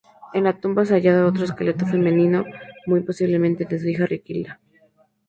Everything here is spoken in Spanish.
En la tumba se halló otro esqueleto femenino, muy posiblemente de su hija Riquilda.